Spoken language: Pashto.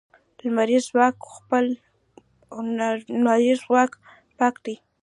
لمریز ځواک پاک دی.